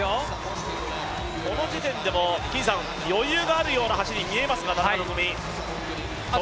この時点でも余裕があるような走りに見えますね、田中希実。